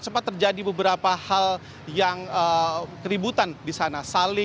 sempat terjadi beberapa hal yang keributan di sana